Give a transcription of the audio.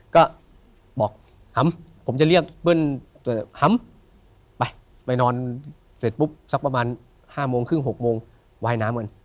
ก็บอกฮัมผมจะเรียกเปิ้ลฮัมไปไปนอนเสร็จปุ๊บสักประมาณ๕โมงครึ่ง๖โมงว่ายน้ำกัน